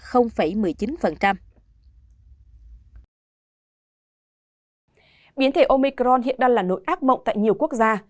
biến thể omicron hiện đang là nỗi ác mộng tại nhiều quốc gia